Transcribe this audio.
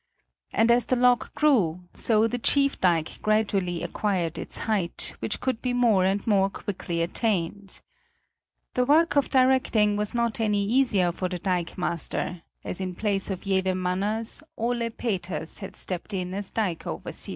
And as the lock grew, so the chief dike gradually acquired its height, which could be more and more quickly attained. The work of directing was not any easier for the dikemaster, as in place of Jewe Manners, Ole Peters had stepped in as dike overseer.